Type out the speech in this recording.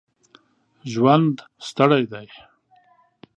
ژوند ستړی دی.